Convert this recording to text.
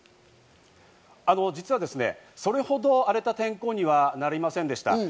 実はそれほど荒れた天候にはなりませんでした。